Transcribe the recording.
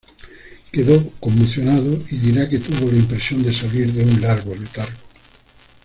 Quedó conmocionado y dirá que tuvo la impresión de salir de un largo letargo.